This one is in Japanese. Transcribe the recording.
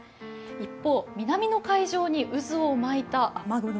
一方、南の海上に渦を巻いた雨雲。